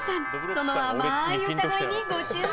その甘い美声にご注目。